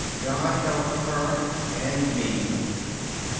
God help her and me!